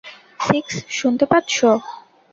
Six, শুনতে পাচ্ছ?